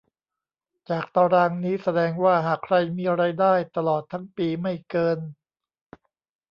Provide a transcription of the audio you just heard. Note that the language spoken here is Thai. จากตารางนี้แสดงว่าหากใครมีรายได้ตลอดทั้งปีไม่เกิน